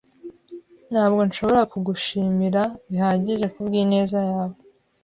Ntabwo nshobora kugushimira bihagije kubwineza yawe.